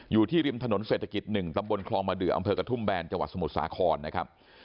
อยู่ที่ริมถนนเศรษฐกิจ๑ตำบลคลองมาเดืออำเภอกระทุ่มแบนจังหวัดสมุทรสาครนะครับ